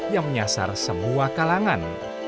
yang menyasar semua kalangan